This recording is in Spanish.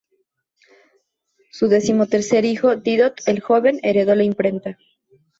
Su decimotercer hijo, Didot el joven, heredó la imprenta.